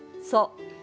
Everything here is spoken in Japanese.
そう。